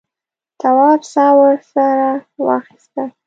تواب سا ورسره واخیسته.